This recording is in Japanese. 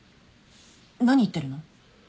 何言ってるの？